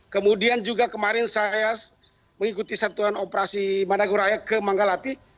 kemudian juga kemarin saya mengikuti satuan operasi madagoraya ke manggalapi